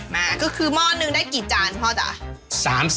แม่ก็คือหม้อหนึ่งได้กี่จานพ่อจ๊ะ